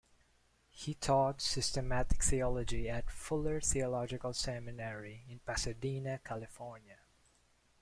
He taught systematic theology at Fuller Theological Seminary in Pasadena, California.